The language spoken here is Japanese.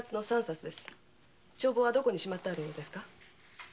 帳簿はどこにしまってあるのですか？